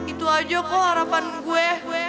itu aja kok harapan gue